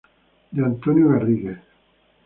D. Antonio Garrigues.